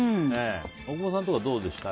大久保さんとかどうでした？